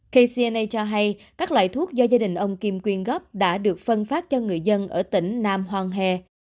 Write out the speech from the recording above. kcna cho hay các loại thuốc do gia đình ông kim quyên góp đã được phân phát cho người dân ở tỉnh nam hoàng he